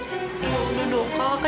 yaudah dong kakak